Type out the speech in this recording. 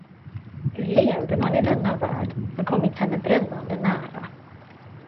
Hur levde man i denna värld som kommit henne brännande nära?